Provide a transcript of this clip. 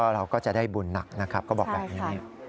เราก็จะได้บุญหนักนะครับก็บอกแบบนี้